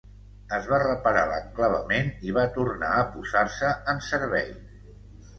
Es va reparar l"enclavament i va tornar a posar-se en servei.